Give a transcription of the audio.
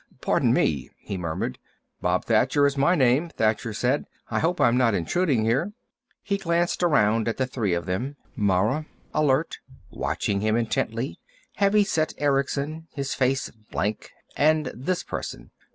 "Pardon me," he murmured. "Bob Thacher is my name," Thacher said. "I hope I'm not intruding here." He glanced around at the three of them, Mara, alert, watching him intently, heavy set Erickson, his face blank, and this person.